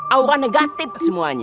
aura negatif semuanya